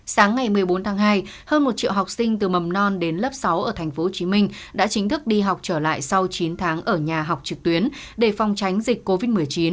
sáng ngày một mươi bốn tháng hai hơn một triệu học sinh từ mầm non đến lớp sáu ở tp hcm đã chính thức đi học trở lại sau chín tháng ở nhà học trực tuyến để phòng tránh dịch covid một mươi chín